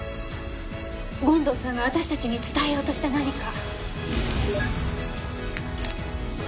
権藤さんが私たちに伝えようとした何か。